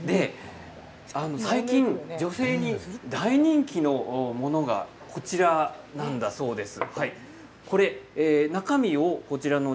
最近、女性に大人気のものがこちらなんだそうです。